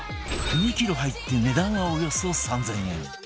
２キロ入って値段はおよそ３０００円